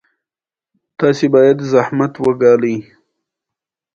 بي بي سي دمګړۍ یواځې رسمي بښنه غوښتې